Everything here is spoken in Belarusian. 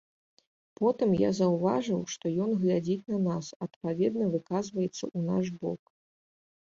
Потым я заўважыў, што ён глядзіць на нас, адпаведна выказваецца ў наш бок.